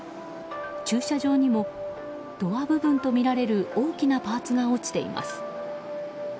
駐車場にもドア部分とみられる大きなパーツが落ちています。